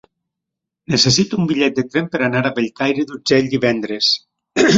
Necessito un bitllet de tren per anar a Bellcaire d'Urgell divendres.